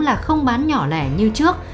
là không bán nhỏ lẻ như trước